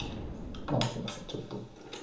すいませんちょっと。